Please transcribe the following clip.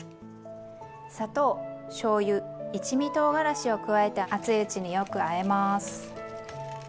砂糖しょうゆ一味とうがらしを加えて熱いうちによくあえます。